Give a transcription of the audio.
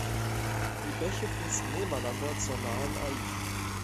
Die Bäche fließen nebeneinander zur nahen Aisch.